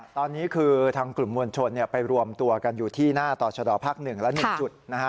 ตอนนี้คือทางกลุ่มมวลชนไปรวมตัวกันอยู่ที่หน้าต่อชะดอภาค๑และ๑จุดนะฮะ